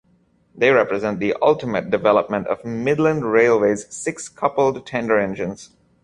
They represent the ultimate development of Midland Railway's six coupled tender engines.